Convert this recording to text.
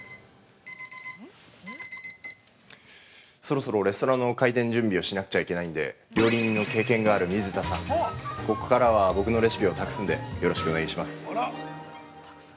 ◆そろそろレストランの開店準備をしなくちゃいけないんで、料理人の経験がある水田さん、ここからは僕のレシピを託すんで、よろしくお願いします。